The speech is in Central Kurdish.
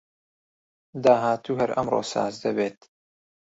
داهاتوو هەر ئەمڕۆ ساز دەبێت